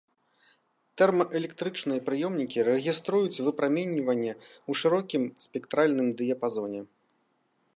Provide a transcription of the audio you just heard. Тэрмаэлектрычныя прыёмнікі рэгіструюць выпраменьванне ў шырокім спектральным дыяпазоне.